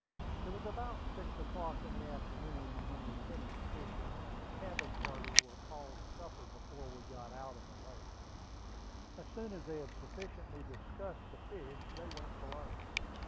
It was about six o'clock in the afternoon when we finished fishing, and the cabin party were called to supper before we got out of the lake. As soon as they had sufficiently discussed the fish, they went below.